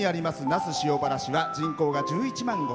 那須塩原市は人口が１１万５０００。